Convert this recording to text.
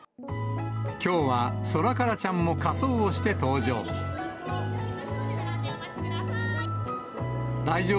きょうはソラカラちゃんも仮装をして登場。